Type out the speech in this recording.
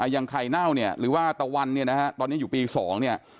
อย่างไข่เน่าเนี่ยหรือว่าตะวันเนี่ยนะฮะตอนนี้อยู่ปี๒เนี่ย